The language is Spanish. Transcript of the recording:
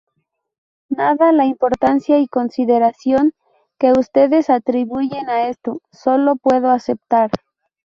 Dada la importancia y consideración que ustedes atribuyen a esto, sólo puedo aceptar.